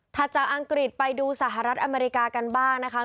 จากอังกฤษไปดูสหรัฐอเมริกากันบ้างนะคะ